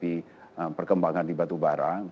tetapi perkembangan di batubara